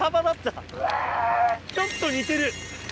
ちょっと似てる。